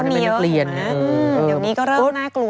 อ๋ออันนี้มันเป็นแกนเตรียนนะเหมือนกันนะเองแต่เดี๋ยวนี้ก็เริ่มน่ากลัว